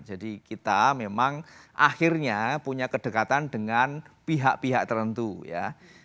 jadi kita memang akhirnya punya kedekatan dengan pihak pihak tertentu ya